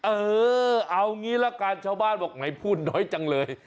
เออเอางี้ละกันชาวบ้านบอกไหนพูดน้อยจังเลย